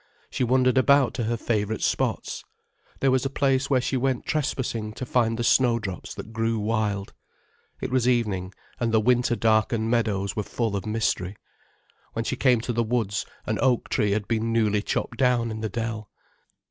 She wandered about to her favourite spots. There was a place where she went trespassing to find the snowdrops that grew wild. It was evening and the winter darkened meadows were full of mystery. When she came to the woods an oak tree had been newly chopped down in the dell.